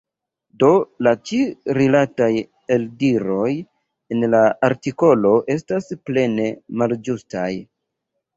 Do la ĉi-rilataj eldiroj en la artikolo estas plene malĝustaj.